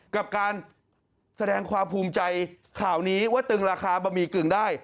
กับการแสดงความภูมิใจข่าวนี้ว่าตึงราคาบะหมี่กึ่งได้